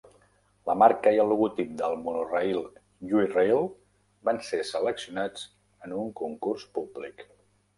La marca i el logotip del monorail "Yui Rail" van ser seleccionats en un concurs públic.